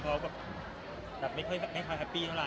เพราะแบบไม่ค่อยแฮปปี้เท่าไหร่